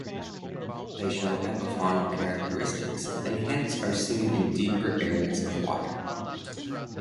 They show epifaunal characteristics and hence are seen in deeper areas of water.